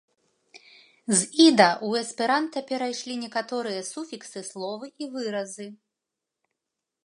З іда ў эсперанта перайшлі некаторыя суфіксы, словы і выразы.